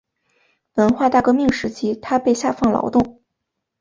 文化大革命时期他被下放劳动。